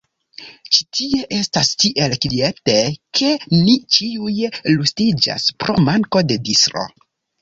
Ĉi tie estas tiel kviete ke ni ĉiuj rustiĝas pro manko de distro.